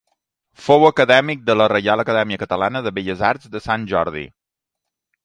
Fou acadèmic de la Reial Acadèmia Catalana de Belles Arts de Sant Jordi.